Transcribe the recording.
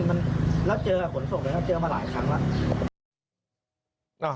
แล้วเจอกับผลส่งมันเจอก็มาหลายครั้งละ